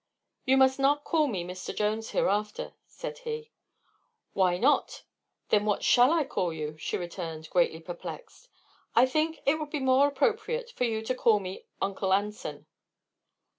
"You must not call me 'Mr. Jones,' hereafter," said he. "Why not? Then, what shall I call you?" she returned, greatly perplexed. "I think it would be more appropriate for you to call me 'Uncle Anson.'"